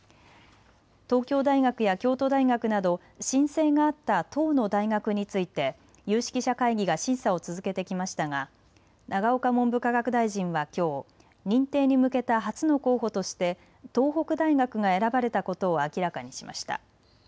東京大学や京都大学など申請があった１０の大学について有識者会議が審査を続けてきましたが永岡文部科学大臣はきょう認定に向けた初の候補として東北大学が選ばれたことを明らかにしました。